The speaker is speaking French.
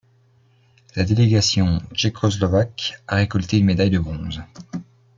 La délégation tchécoslovaque a récolté une médaille de bronze.